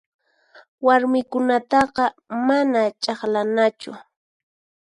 Warmikunataqa mana ch'aqlanachu.